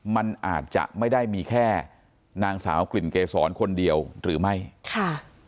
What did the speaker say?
มันอาจจะไม่ได้มีแค่นางสาวกลิ่นเกษรคนเดียวหรือไม่ค่ะ